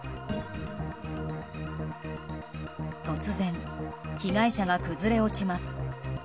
突然被害者が崩れ落ちます。